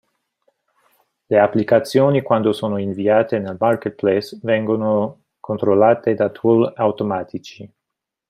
Le applicazioni quando sono inviate nel marketplace vengono controllate da tool automatici.